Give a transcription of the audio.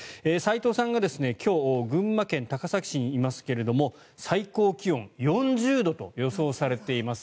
齋藤さんが今日群馬県高崎市にいますけど最高気温４０度と予想されています。